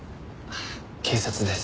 警察です。